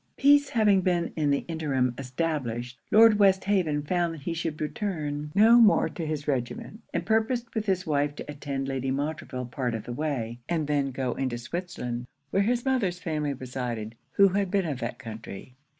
Peace having been in the interim established, Lord Westhaven found he should return no more to his regiment, and purposed with his wife to attend Lady Montreville part of the way, and then to go into Switzerland, where his mother's family resided, who had been of that country.